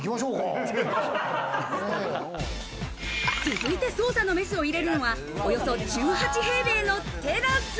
続いて捜査のメスを入れるのは、およそ１８平米のテラス。